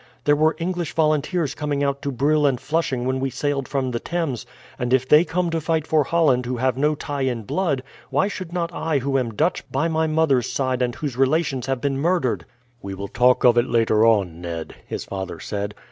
There were English volunteers coming out to Brill and Flushing when we sailed from the Thames, and if they come to fight for Holland who have no tie in blood, why should not I who am Dutch by my mother's side and whose relations have been murdered?" "We will talk of it later on, Ned," his father said.